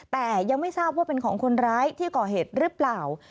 แต่ยังไม่ทราบว่าเป็นของคนร้ายที่ก่อเหตุหรือเปล่า